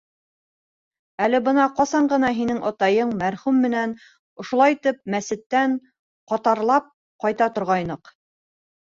Әле бына ҡасан ғына һинең атайың мәрхүм менән ошолайтып мәсеттән ҡатарлап ҡайта торғайныҡ.